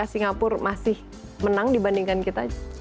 singapura masih menang dibandingkan kita